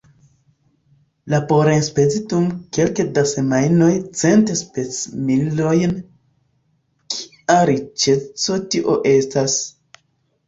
Laborenspezi dum kelke da semajnoj cent spesmilojn -- kia riĉeco tio estas!